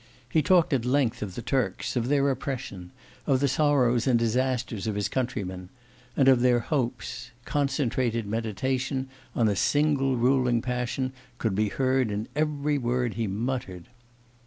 He talked at length of the Turks, of their oppression, of the sorrows and disasters of his countrymen, and of their hopes: concentrated meditation on a single ruling passion could be heard in every word he uttered.